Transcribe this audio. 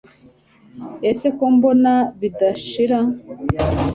ase ko mbona bidashira